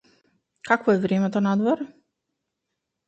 Какво е времето надвор?